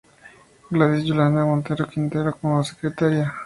Gladys Yolanda Montero Quintero como Secretaria.